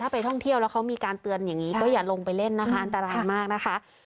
ไปท่องเที่ยวแล้วเขามีการเตือนอย่างนี้ก็อย่าลงไปเล่นนะคะอันตรายมากนะคะ